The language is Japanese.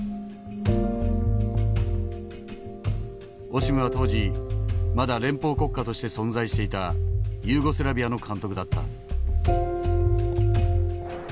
オシムは当時まだ連邦国家として存在していたユーゴスラビアの監督だった。